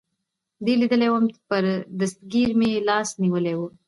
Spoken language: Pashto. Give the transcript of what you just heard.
دې لیدلی ووم، پر دستګیر مې لاس نیولی و.